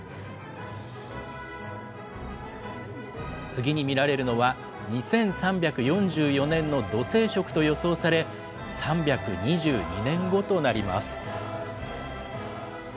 次に見られるのは、２３４４年の土星食と予想され、３２２年後となります。